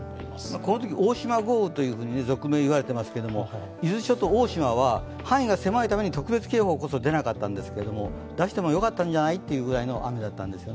このとき、大島豪雨と俗名、言われていますが伊豆諸島、大島は範囲が狭いため特別警報こそ出なかったんですが出してもよかったんじゃないかというくらいの雨だったんです。